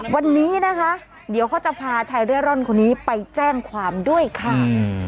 วันนี้นะคะเดี๋ยวเขาจะพาชายเร่ร่อนคนนี้ไปแจ้งความด้วยค่ะ